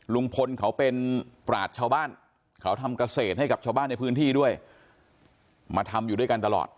ลุงพลเขาเป็นปราศชาวบ้านเขาทำเกษตรให้กับชาวบ้านในพื้นที่ด้วยมาทำอยู่ด้วยกันตลอด